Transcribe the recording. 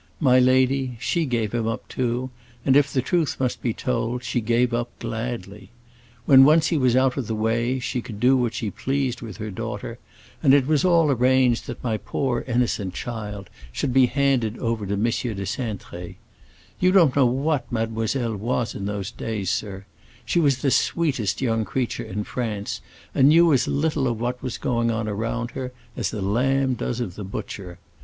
My lady, she gave him up too, and if the truth must be told, she gave him up gladly. When once he was out of the way she could do what she pleased with her daughter, and it was all arranged that my poor innocent child should be handed over to M. de Cintré. You don't know what Mademoiselle was in those days, sir; she was the sweetest young creature in France, and knew as little of what was going on around her as the lamb does of the butcher.